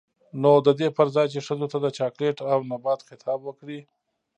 نـو د دې پـر ځـاى چـې ښـځـو تـه د چـاکـليـت او نـبـات خـطاب وکـړي.